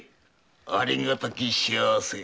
ありがたき幸せ。